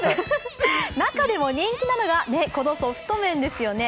中でも人気なのがこのソフト麺ですよね。